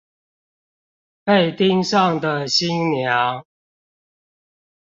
被盯上的新娘